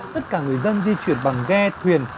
tất cả người dân di chuyển bằng ghe thuyền